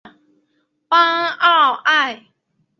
邦奥埃。